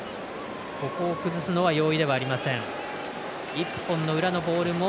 ここを崩すのは容易ではありません。